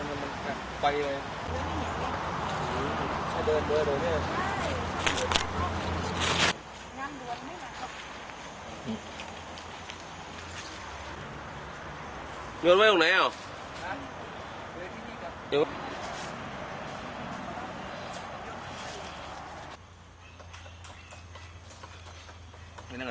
น่าจะเอาใส่ต้านมันให้สินู้เนี้ยคนนั้นมันไป